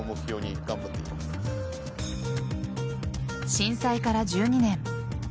震災から１２年。